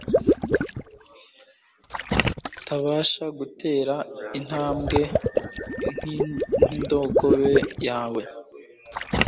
tabasha gutera intambwe nk'indogobe yawe?